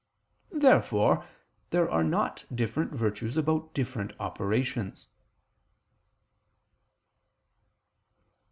Therefore there are not different virtues about different operations.